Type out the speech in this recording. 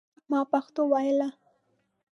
ما پښتو ویله.